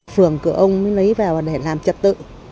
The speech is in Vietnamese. phường cỡ ông mới lấy vào để làm trật tự